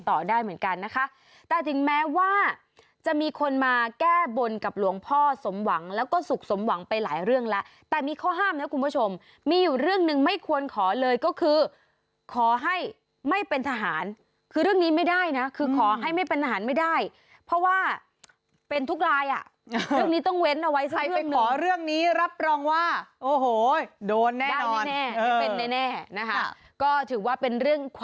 ได้เหมือนกันนะคะแต่ถึงแม้ว่าจะมีคนมาแก้บนกับหลวงพ่อสมหวังแล้วก็สุขสมหวังไปหลายเรื่องแล้วแต่มีข้อห้ามนะคุณผู้ชมมีอยู่เรื่องหนึ่งไม่ควรขอเลยก็คือขอให้ไม่เป็นทหารคือเรื่องนี้ไม่ได้นะคือขอให้ไม่เป็นทหารไม่ได้เพราะว่าเป็นทุกลายอ่ะเรื่องนี้ต้องเว้นเอาไว้ใครไปขอเรื่องนี้รับรองว่าโอ้โหโดนแน่ได้แน่ไม่เป็นแน่นะคะก็ถือว่าเป็นเรื่อง